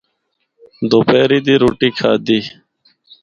دوپہری دی رُٹّی کھادی۔